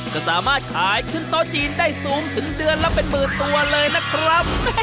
ก็สามารถขายขึ้นโต๊ะจีนได้สูงถึงเดือนละเป็นหมื่นตัวเลยนะครับ